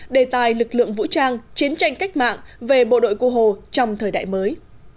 đề tài lực lượng vũ trang chiến tranh cách mạng về bộ đội cụ hồ trong thời đại mới